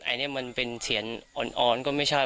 อันนี้มันเป็นเฉียนอ่อนก็ไม่ใช่